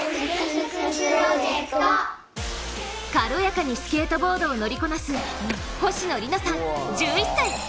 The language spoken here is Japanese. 軽やかにスケートボードを乗りこなす星野凛乃さん１１歳。